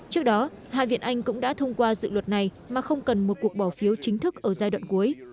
trước đó hạ viện anh cũng đã thông qua dự luật này mà không cần một cuộc bỏ phiếu chính thức ở giai đoạn cuối